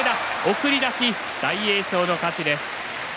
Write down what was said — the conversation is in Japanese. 送り出し、大栄翔の勝ちです。